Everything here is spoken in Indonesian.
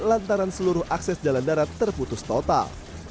lantaran seluruh akses jalan darat terputus total